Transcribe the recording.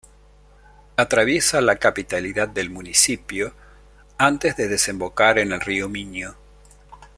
Atraviesa la capitalidad del municipio antes de desembocar en el río Miño.